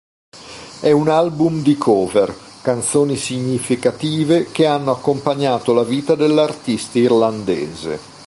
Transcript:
È un album di cover, canzoni significative che hanno accompagnato la vita dell'artista irlandese.